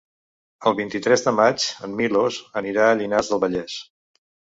El vint-i-tres de maig en Milos anirà a Llinars del Vallès.